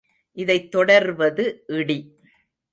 இதைத் தொடர்வது இடி.